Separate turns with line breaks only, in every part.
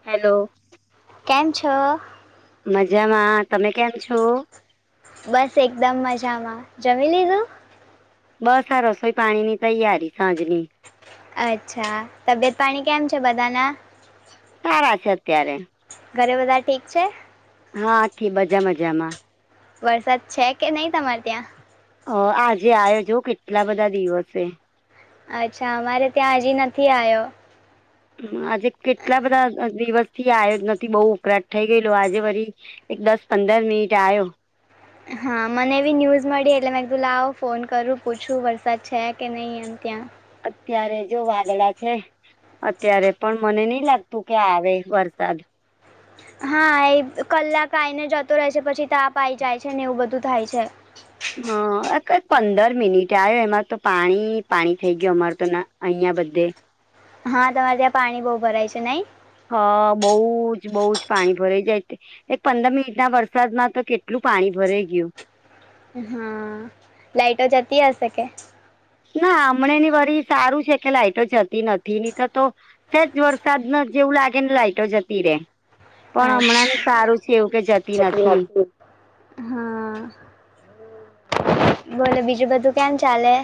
Hello
કેમ છ.
મજામાં તમે કેમ છો.
બસ એકદમ મજામાં જમી લીધુ
બસ આ રસોઈ પાણી ની તૈયારી સાંજની
અચ્છા તબિયત પાણી કેમ છે, બધાના
સારા છે, અત્યારે
ઘરે બધા ઠીક છે.
હાથી બજા મજામા
વરસાદ છે કે નહી તમારે ત્યાં
હ આજે આવ્યોજ કેટલા બધા દિવસે
અચ્છા અમારે ત્યાં હજી નથી, આવ્યો
આજે કેટલા બધા દિવસ થી આયોજ નથી, બહુ ઉકળાટ થઇ ગયેલો આજે વરી એક દસ પંદર મિનિટ આવ્યો
હા મને એવી ન્યૂઝ મળી એટલે મેં એકુ લ આવો ફોન કરું પૂછું વરસાદ છે કે નહીં એમ ત્યા
અત્યારે જો વાદળ છે. અત્યારે પણ મને નઈ લાગતું કે આવે વરસાદ
હા એ કલાક આઈને જતો રહે છે પછી તાપ આ આવી જાય છે ને એવું બધું થાય છે.
હા કઈ પંદર મિનિટ આવ્યો એમાં તો પાણી પાણી થઈ ગય અમાર તો અહિયાં બધે
હા તમારે ત્યાં પાણી બહુ ભરાય છે, નહી.
હ બઉ જ બઉુ જ પાણી ભરેઈ જાયતે એક પંદર મિનિટ ના વરસાદમાં તો કેટલું પાણી ભરાઈ ગયુ
હા લાઈટો જતી હશે કે
ના હમણાં ની વરી સારું છે, કે લાઈટો જતી નથી ની તો તો જ વરસાદ ન જેવું લાગે ને લાઈઇટો જતી રે પણ હમણાં ને સારું છે એવું કે જ
શકી નથી. હા બોલે બીજું બધું કેમ ચાલે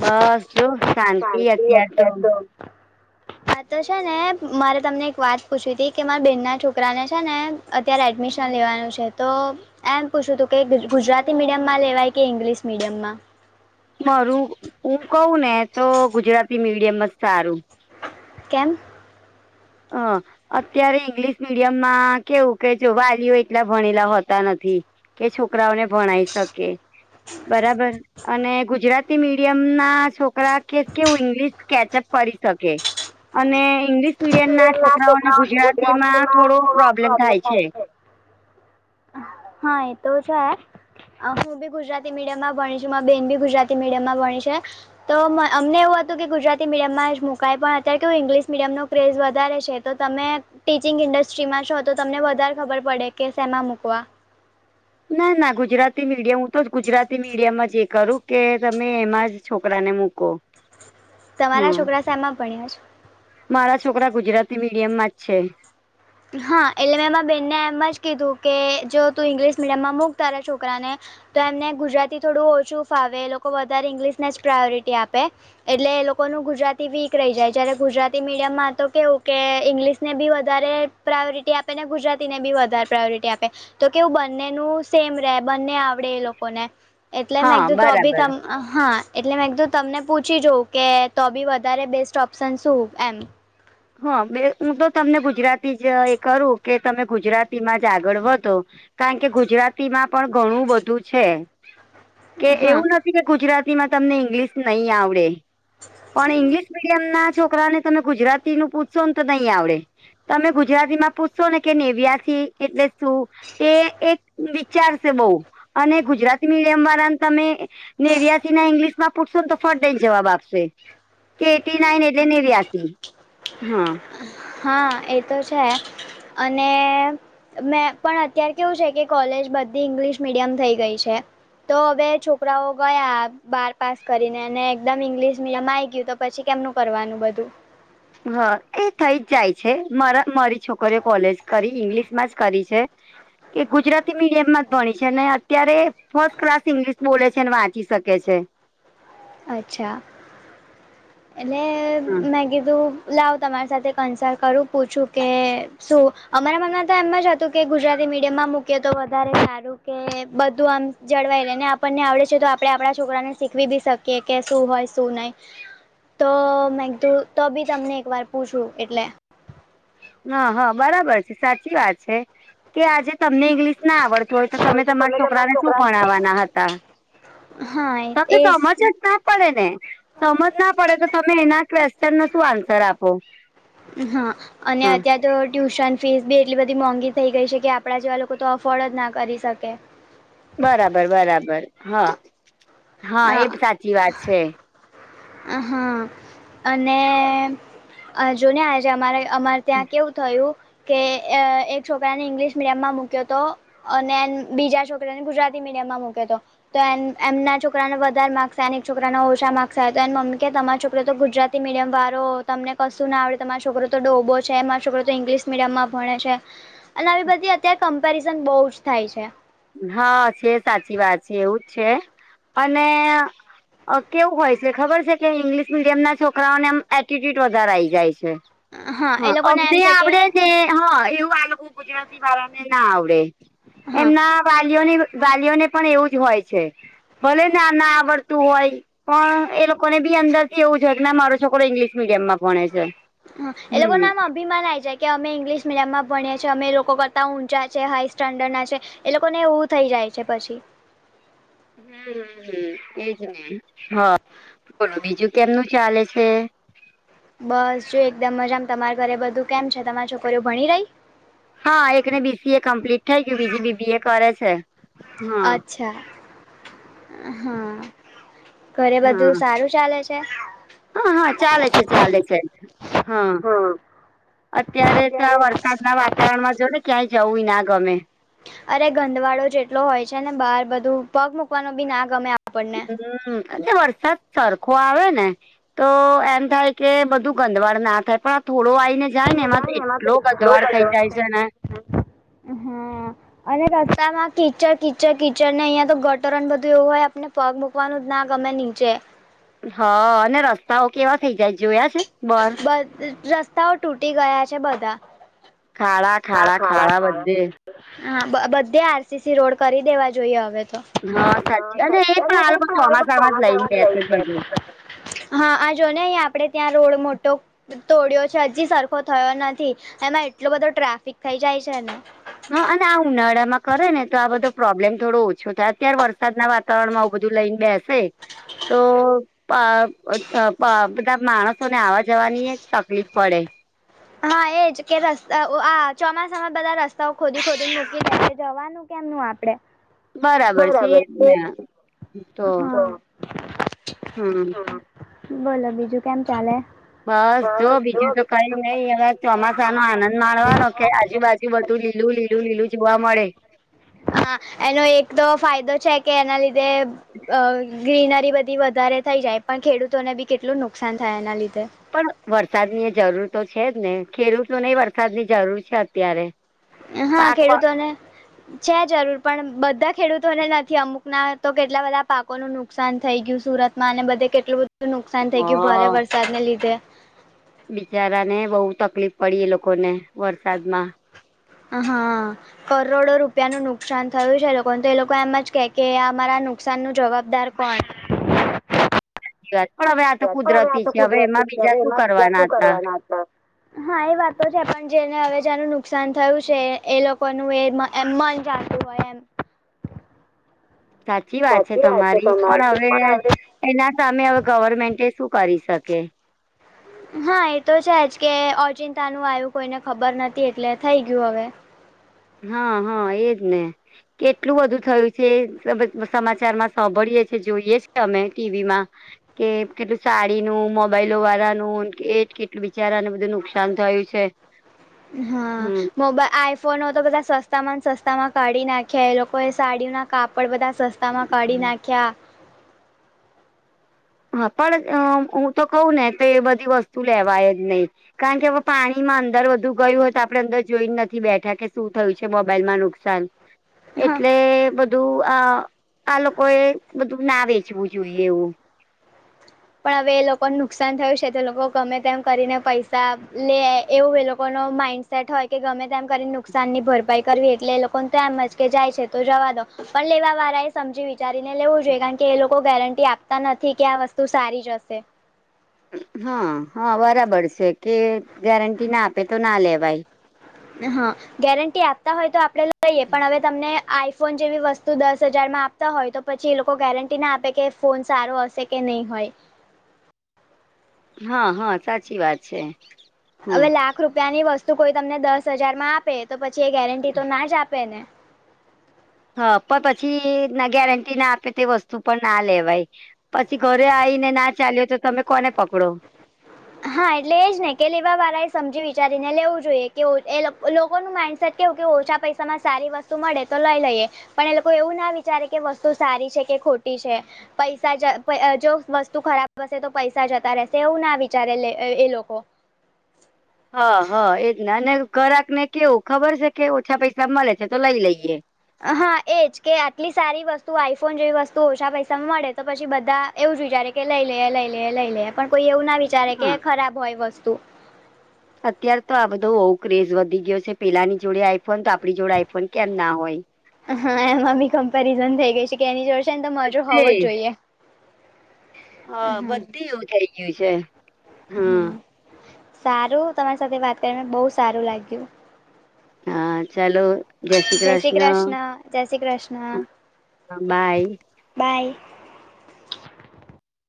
બસ જો શાંતિ અતાર તો
[unintelligible] હા તો છે ને મારે તમને એક વાત પૂછવી હતી કે મારા બેન ના છોકરાને છેને, અત્યારે એડમિશન શષ લેવાનું છે તો એમ પૂછવ હતું કે ગુજરાતી મીડિયમમાં લેવાય કે ઇંગ્લિશ મીડિયમમા
મારું હું કવું ને તો ગુજરાતી મીડિયમ જ સારુ
કેમ
હા અત્યારે ઈંગ્લિશ મીડિયમ માં કેવું કે જો વાલીઓ એટલા ભણેલા હોતા નથી કે છોકરાઓને ભણાય શકે બરાબર અને ગુજરાતી મીડિયમ ના છોકરા કે કેવું ઈંગ્લિશ કેચઅપ કરી શકે. અને ઈંગ્લિશ મીડિયમ ના છોકરાઓને ગુજરાતી માં થોડો પ્રોબ્લેમ થાય છે.
હા એતો છે. હું બી ગુજરાતી મીડિયમ માં ભણી છું મારા બેન ભી ગુજરાતી મીડિયમમાં ભણી છે. તો અમને એવું હતું કે ગુજરાતી મીડિયમમાં જ મુકાય પણ અત્યારે કેવું ઇંગ્લિશ મીડિયમનો ક્રેઝ વધારે છે. તો તમે ટીચિંગ ઇન્ડસ્ટ્રીમાં છો તો તમને વધારે ખબર પડે કે શેમાં મૂકવા?
ના ના ગુજરાતી મીડિયમ હું તો જ ગુજરાતી મીડિયમ જ એક કરું કે તમે એમાં જ છોકરાને મૂકો.
તમારા
હા
છોકરા શ એમાં ભ્ણયા છે.?
મારા છોકરા ગુજરાતી મીડિયમ માં જ છે.
હા એટલે મેં એમાં બેહેનને એમ જ કીધું કે જો તું ઇંગ્લિશ મીડિયમમાં મૂક તારા છોકરાને તો એમને ગુજરાતી થોડું ઓછું ફાવે એ લોકો વધારે ઇંગ્લિશને જ પ્રાયોરિટી આપે, એટલે એ લોકોનું ગુજરાતી વીક રહી જાય જયારે ગુજરાતી મીડિયમમાં તો કેવું કે ઇંગ્લિશ ને બી વધારે પ્રાયોરિટી આપે ને ગુજરાતીને બી વધારે પ્રાયોરિટી આપે. તો કેવું બંને ન સેમ રહે બંને આવડે એ લોકોને. એટલે
હા
ધું તો બી
બરાબર
તમ હા એટલે મેં એકધ તમને પૂછી જાઉં કે તો બી વધારે બેસ્ટ ઓપ્શન શું એમ?
હ બે હું તો તમને ગુજરાતી જ એ કરું કે તમે ગુજરાતીમાં જ આગળ વધો. કારણ કે ગુજરાતી માં પણ ઘણું બધું છે. કે
હા
એવું નથી કે ગુજરાતીમાં તમને ઇંગ્લિશ નહી આવડે. પણ ઈંગ્લિશ મીડિયમ ના છોકરાને તમે ગુજરાતી નું પૂછશો ને તો નહી આવડે. તમે ગુજરાતી માં પૂછશો ને કે નેવ્યાથી એટલે શું? એ એક વિચાર છે બહ અને ગુજરાતી મીડિયમ વાળાને તમે નેવ્યાસી ના ઇંગ્લિશમાં પૂછશો ને તો ફે જવાબ આપશે. કે એટી નાઈન એટલે નિર્યાસી હા.
હા એ તો છે અને મેં પણ અત્ય્યારે કેવું છે કે કોલેજ બધી ઇંગ્લિશ મીડિયમ થઈ ગઈ છે. તો હવે છોકરાઓ ગયા બાર પાસ કરીને અને એકદમ ઇંગ્લિશ મીડિયમમાં આવી ગયું પછી કેમનું કરવાનું બધું?
હા એ થઈ જ જાય છેરા મારી છોકરી કોલેજ કરી ઈંગ્લિશ માં જ કરી છે. કે ગુજરાતી મીડિયમમાં જ ભણી છે ને અત્યારે ફર્સ્ટ ક્લાસ ઈંગ્લિશ બોલે છે ને વાંચી શકે છે.
અચ્છા એટનેલે
હમ.
મે મે કીધું. લાવ તમારી સાથે કન્સલ્ટ કરું પૂછું કે શું અમારા મમ્ના તો એમમાં જ-' કે ગુજરાતી મીડિયમમાં મૂકી તો વધારે સારું કે બધું આમ જળવાય લે ને ણને આવડે છે તો આપડણે આપણા છોકરાને શીખવી બી શકીએ કે શું હોય શું નહ તો મેંધું તો બી તમને એકવાર પૂછું એટલે?
હ હા બરાબર છે સાચી વાત છે કે આજે તમને ઇંગ્લિશ ના આવડતું હોય તો તમે તમારા છોકરાને શું ભણાવવાના હતા.
હા!
ત સમજતા
એ
ના પડે ને સમજ ના પડે તો તમે એના ક્વેશ્ચન નો શું આન્સર આપો?
હા અને
હા.
અત્ય તો ટ્યુશન ફીસ બી એટલી બધી મોંઘી થઈ ગઈ છે કે આપણા જેવા લોકો તો અફોર્ડ જ ના કરી શકે.
બરાબર બરાબર હા હા એ સાચી વાત છે.
હા અને આજોને આજે અમારે અમારે ત્યાં કેવું થયું કે એક છોકરાને ઇંગ્લિશ મીડિયમમાં મૂક્યો તો અને બીજા છોકરીને ગુજરાતી મિડીયમમાં મુક્યો હતો તો એમના છો છોકરાને વધારે માર્ક્સ અને એક છોકરાના ઓછા માર્ક્સ હતા અને મમ્મી કે તમારો છોકરો તો ગુજરાતી મડિયમવારો તમને કશું ના આવડે તો તમારો છોકરો તો ડોબો છે મારા છોકરો તો ઇંગ્લિશ મીડિયમ માં ભણે છે. અને આવી બધી અત્યારે કમ્પેરિઝન બહુ જ થાય છે.
હા છે સાચી વાત છે, એવુંજ છે અને કેવું હોય છે ખબર છે કે ઇંગ્લિશ મીડિયમના છોકરાઓને એમ એટિટ્યુડ વધારે આઈ જાય છે.
એ
હા
લોકોને
અગ્નિ
એમ છે કે
આપડે જે હ એવુ ગુજરાતી વાળા ને ના આવડે.
હા.
વાલીની વાલીઓને પણ એવું જ હોય છે ભલે ના ના આવડતું હોય. પણ એ લોકોને બી અંદર થી એવું છેય કે ના મારો છોરો ઈંગ્લિશ મીડિયમમાં ભણે છે.
હ એ લોકો
હમ
નામ અભિમાન લઈ જાય કે અમે ઇંગ્લિશ મીડિયમમાં ભણીએ અમે લોકો કરતાં ઊંચા છે હાઈ સ્ટાન્ડર્ડના છે. એ લોકોને એવું થઈ જાય છે પછી
હમ હ હમ એજ નહી હા બોલો બીજું કેમનું ચાલે છે?
બસ જો એકદમ મજામાં તમારા ઘરે બધું કેમ છે, તમારી છોકરીઓ ભણી રહી?
હા એકને બીસીએ કમ્પ્લીટ થઈ ગયું બીજું બીબીએ કરે છે. હા
અચ્છા હા ઘરે બધું સારુ ચાલે છે.
હ હા ચાલે છે ચાલે છે, હા. અત્યારે તો વરસાદ ના વાતાવરણ માં જો ને ક્યાંય જવું ના ગમે
અરે ગંદવાળો એટલો હોય છે ને બહાર બધું પગ મૂકવાનો બી ના ગમે આપણને
હમ વરસાદ સરખો આવે ને તો એમ થાય કે બધું ગંદવાડ ના થાય પણ થોડો આયને જાય ને
એટલે
એમાંથી એટલો ગંદવાડ થઈ જાય છે ને
હમ્મ અને રસ્તામાં કીચડ કીચડ કીચડ ને અહિયાં તો ગટરોન બધું એવું હોય આપને પગ મૂકવાનું જ ના ગમે નીચે
હા અને રસ્તાઓ કેવા થઇ જાય જોયા છે. બર
બસ રસ્તાઓ તૂટી ગયા છે, બધા. ખાડા ખાડા હા બધે આરસીસી રોડ કરી દેવા જોઈએ હવે તો
હા સાચી અને એ પણ હાલ બ ચોમાસામાં જ લઈ ને ગ છે જ બધું
હા આ જો ને આપડે ત્યાં રોડ મો તોડ્યો છે હજી સરખો થયો નથી. એમાં એટલો બધો ટ્રાફિક થઈ જાય છેને
હ અને આ ઉનાળા માં કરે ને તો આ બધો પ્રોબ્લેમ થોડો ઓછો થાય અત્યારે વરસાદના વાતાવરણમાં આવું બધું લઈને બેસે તો બધા માણસો ને આવવા જવાની તકલીફ પડે.
હા એજ કે રસ્તા આ ચોમાસામાં બધા રસ્તાઓ ખોદી ખોદી મૂકી જ જવાનું. કેમનું આપડે?
બરાબર છે, ના તો
હા
હમ
બોલો બીજું કેમ ચાલે?
બસ જો બીજું તો કઈ નય એવા ચોમાસા નો આનંદ માણવાનો કે આજુબાજુ બધું લીલું લીલું લીલું જોવા મળે
હા એનો એક તો ફાયદો છે કે એના લીધે અ ગ્રીનરી બધી વધારે થઈ જાય પણ ખેડૂતોને બી કેટલું નુકસાન થાય એના લીધે
પણ વરસાદની એ જરૂર તો છે જ ને ખેડૂતોને વરસાદની જરૂર છે, અત્યારે
હા
પાક હ
ખેડૂતોને છે જરૂર પણ બધા ખેડૂતોને નથી અમુક ના તો કેટલા બધા પાકોનું નુક નુકસાન થઈ ગયું સુરત માં અને બધે કેટલું બધું નુકસાન થઈ ગયું ભારે વરસાદને લીધે
બિચારા ને બહુ તકલીફ પડી એ લોકો ને વરસાદમાં
હ હા કરોડો રૂપિયા નું નુકસાન થયું છે લોકોને તો એ લોકો એમ જ કે કે અમારા નુકસાન નું જવાબદાર પાંચ
પણ હવે આ તો
પણ આ
કુદરતી
તો
છે હવે
કુદરતી
એમાં બીજા શું કરવાના હતા.
હમ હા એ વાતો છે પણ જેને હવે જનું નુકસાન થયું છે એ લોકોનું એ મન જાતું હોય, એમ
સાચી વાત છે તમારી પણ હવે એના સામે હવે ગવર્મેન્ટ શું કરી શકે
હમ હા એ તો છે જ કે અચિંતા નું આવ્યું કોઈને ખબર નથી એટલે થઈ ગયું હવે
હા હા એજ ને કેટલું બધું થયું છે સમાચારમાં સાંભળીએ છેએ જોઈએ છે, કે અમે ટીવીમાં કે કેટલું સાડી ન મોબાઈલો વાળાનું કે કેટલું બિચારાને બધું નુકસાન થયું છે. હ છે.
હા મોબાઈલ આઈ ફોન તો બધા સસ્તા માં સસ્તામાં કાઢી નાખ્યા એ લોકોએ સાડી ના કાપડ બધા સતા તામાં કડી નાખ્યા
હા પણ હું તો કહું ને તો એ બધી વસ્તુ લેવાય જ નહી કારણ કે હવે પાણીમાં અંદર વધુ ગયું હો તો આપડણે અંદર જોઈ નથી બેઠા કે શું થયું છે મોબાઈલમાં નુકસાન
હ
એટલે બધું આ આ લોકો એ બધું ના વેચવું જોઈએ એવુ
પણ હવે એ લોકોને નુકસાન થયું છે, તો લોકો ગમે તેમ કરીને પૈસા લે એવું એ લોકો ન માઇન્ડ સેટ હોય કે ગમે તેમ કરીને નુકસાનની ભરપાઈ કરવી એટલે એ લોકોને તેમ મજ કે જાય છે તો જવા દો પણ લેવા વાળા એ સમજી વિચારીને લેવું જોઈએ કારણ કે એ લોકો ગેરંટી આપતા નથી કે આ વસ્તુ તું સારી જ હશે
હા હા બરાબર છે કે ગેરંટી ના આપે તો ના લેવાય.
હ હા ગેરંટી આપતા હોય તો આપડે લઈએ પણ હવે તમને આઈફોન જેવી વસ્તુ દસ હજારમાં હોય તો પછી એ લોકો ગેરંટી ના આપે કે ફોન સારો હશે કે નહીં હોય.
હા હા સાચી વાત છે. હમ
હવે લાખ રૂપિયાની વસ્તુ કોઈ તમને દસ હજાર માં આપે તો પછી એ ગેરંટી તો ના જ આપે ને
હા પણ પછી ના ગેરંટી ના આપે તે વસ્તુ પણ ના લેવાય- પછી ઘરે આવીને ના ચાલ્યો તો તમે કોને પકડો
હા એટલે એજ ને કે લેવા વાળા એ સમજી વિચારીને લેવું જોઈએ કેવું એ લોકોનું માઇન્ડ કેવું કે ઓછા પૈસામાં સારી વસ્તુ મળે તો લઈ લઈએ. પણ એ લોકો એવું ના વિચારે કે વસ્તુ સારી છે કે ખોટી છે. પૈસા જો વસ્તુ ખરાબ હશે તો પૈસા જતા રહેશે એવું ના જ્યારે એ લોકો
હા હા એજને અને ગોક ને કેવું ખબર છે, કે ઓછા પૈસા મળે છે તો લઈ લઈએ
હા એજ કે આટલી સારી વસ્તુ આઈફોન જેવી વસ્તુ ઓછા પૈસામાં મળે તો પછી બધા એવું જ વિચારે કે લઈ લઈએ લઈ લઈએ લઈ લઈએ પણ કોઈ એવું ના વિચારે
હા
કે ખરાબ હોય વસ્તુ
અત્ય્યારે તો આ બધો બઉુ ક્રેઝ વધી ગયો છે પેલાની જોડે આઈફોન તો આપણી જોડે આઈફોન કેમ ના હોય.
હા એમાં બી કમ્પેરિઝન થઈ ગઈ છે, કે એની જોર છેને તમાજ
હ
હોવો જ જોઈએ.
હા બધી એવું થઇ ગયું છે. હા
હમ સારું તમારી સાથે વાત કરને બોવ સારું લાગ્યું
હા ચાલો જય શ્રી કૃષ્ણ બાય
બાય.